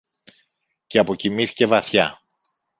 και αποκοιμήθηκε βαθιά